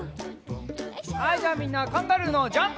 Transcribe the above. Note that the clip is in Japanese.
はいじゃあみんなカンガルーのジャンプ！